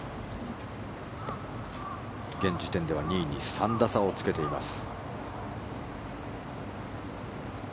現時点では２位に３打差をつけています。